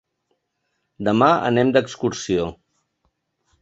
Demà anem d'excursió.